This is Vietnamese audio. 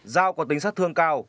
dao có tính sát thương cao